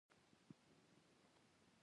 د نیالګیو ترمنځ فاصله ولې مهمه ده؟